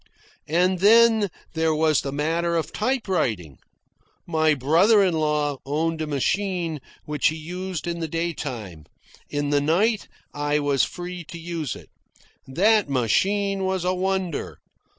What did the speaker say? And then there was the matter of typewriting. My brother in law owned a machine which he used in the day time. In the night I was free to use it. That machine was a wonder.